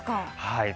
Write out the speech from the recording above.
はい。